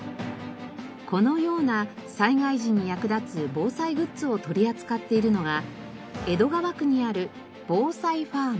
このような災害時に役立つ防災グッズを取り扱っているのが江戸川区にある防災ファーム。